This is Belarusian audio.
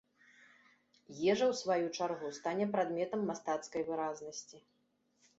Ежа, у сваю чаргу, стане прадметам мастацкай выразнасці.